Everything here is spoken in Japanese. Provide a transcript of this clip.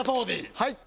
はい！